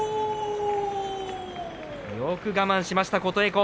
よく我慢しました、琴恵光。